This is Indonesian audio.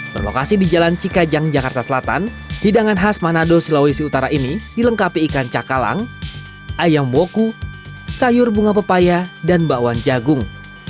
berlokasi di jalan cikajang jakarta selatan hidangan khas manado sulawesi utara ini dilengkapi ikan cakalang ayam boku sayur bunga pepaya dan bakwan jagung